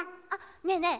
ねえねえ